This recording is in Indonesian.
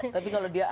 tapi kalau dia adik